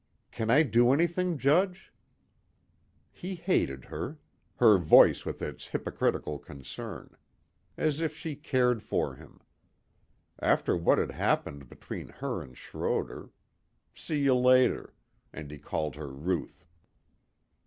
"Can I do anything, Judge?" He hated her. Her voice with its hypocritical concern. As if she cared for him. After what had happened between her and Schroder ... see you later ... and he called her Ruth.